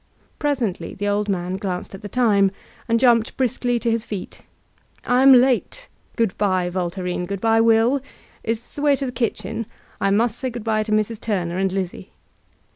Presently the old man glanced at the time, and jumped briskly to his feet: ''I am late. Good by, Voltairine; good by, WilL Is this the way to the kitchen? I must say good*by to Mrs. Turner and Lizzie."